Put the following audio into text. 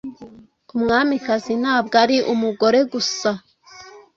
Umwamikazi ntabwo ari umugore gusa